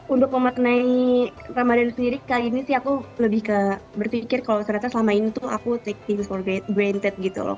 untuk memaknai ramadhan sendiri kali ini sih aku lebih ke berpikir kalau ternyata selama ini tuh aku take is for granted gitu loh